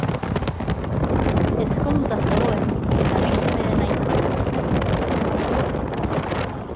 Ezkonduta zegoen eta bi semeren aita zen.